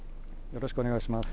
よろしくお願いします。